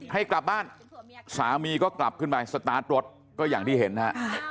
ให้กลับบ้านสามีก็กลับขึ้นไปสตาร์ทรถก็อย่างที่เห็นนะฮะ